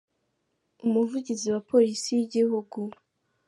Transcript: umuvugizi wa polisi y’igihugu